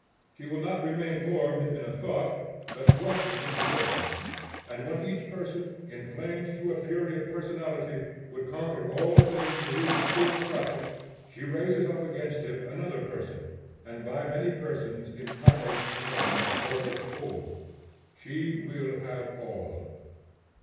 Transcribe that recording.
She will not remain orbed in a thought, but rushes into persons; and when each person, inflamed to a fury of personality, would conquer all things to his poor crotchet, she raises up against him another person, and by many persons incarnates again a sort of whole. She will have all.